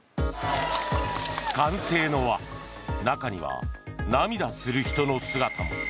歓声の輪中には涙する人の姿も。